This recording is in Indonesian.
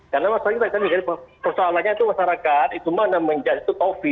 karena masalahnya itu masyarakat itu mana menjadikan itu covid